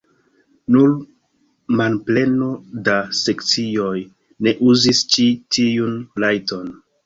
Nur manpleno da sekcioj ne uzis ĉi tiun rajton.